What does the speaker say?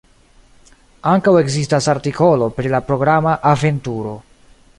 Ankaŭ ekzistas artikolo pri la programa Aventuro".